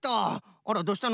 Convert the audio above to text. あらどうしたの？